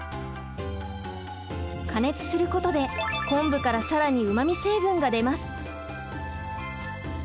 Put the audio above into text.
加熱することで昆布から更にうまみ成分が出ます。